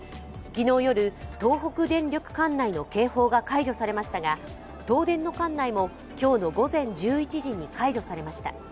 昨日夜、東北電力管内の警報が解除されましたが東電の管内も今日の午前１１時に解除されました